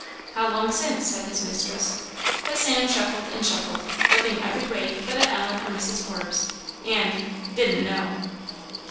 "How long since?" said his mistress. But Sam shuffled and shuffled, looked every way but at Ellen or Mrs. Forbes, and "didn' know."